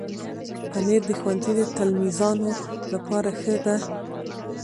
پنېر د ښوونځي د تلمیذانو لپاره ښه ده.